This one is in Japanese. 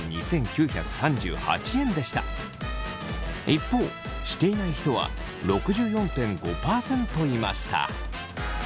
一方していない人は６４．５％いました。